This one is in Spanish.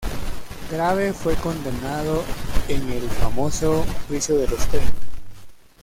Grave fue condenado en el famoso "juicio de los treinta".